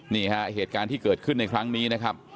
เหตุการณ์ที่เกิดขึ้นในครั้งนี้นะครับ